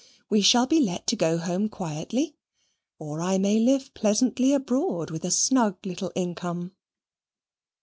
We shall be let to go home quietly, or I may live pleasantly abroad with a snug little income."